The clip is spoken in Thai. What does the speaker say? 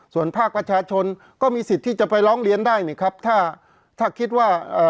ส่วนภาคประชาชนก็มีสิทธิ์ที่จะไปร้องเรียนได้นี่ครับถ้าถ้าคิดว่าเอ่อ